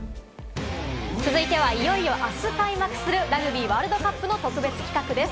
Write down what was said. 続いては、いよいよあす開幕するラグビーワールドカップの特別企画です。